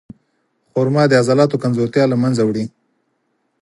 خرما د عضلاتو کمزورتیا له منځه وړي.